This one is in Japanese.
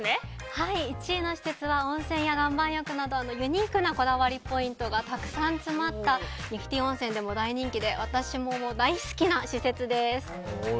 はい、１位の施設は温泉や岩盤浴などユニークなこだわりポイントがたくさん詰まったニフティ温泉でも大人気で私も大好きな施設です。